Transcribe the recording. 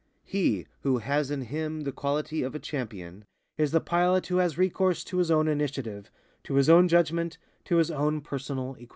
He who has in him the quality of a champion is the pilot who has recourse to his own initiative, to his own judgment, to his own personal equation.